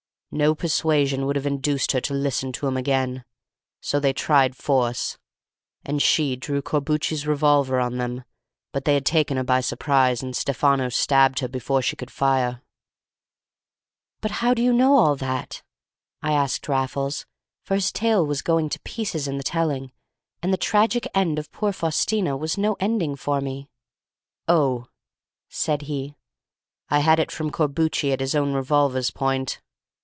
No persuasion would have induced her to listen to him again; so they tried force; and she drew Corbucci's revolver on them, but they had taken her by surprise, and Stefano stabbed her before she could fire." "But how do you know all that?" I asked Raffles, for his tale was going to pieces in the telling, and the tragic end of poor Faustina was no ending for me. "Oh," said he, "I had it from Corbucci at his own revolver's point.